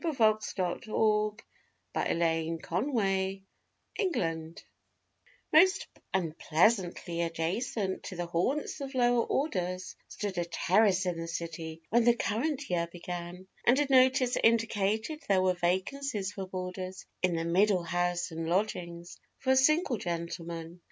CONSTABLE M'CARTY'S INVESTIGATIONS Most unpleasantly adjacent to the haunts of lower orders Stood a 'terrace' in the city when the current year began, And a notice indicated there were vacancies for boarders In the middle house, and lodgings for a single gentleman.